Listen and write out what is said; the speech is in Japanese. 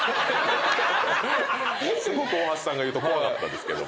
すごく大橋さんが言うと怖かったですけども。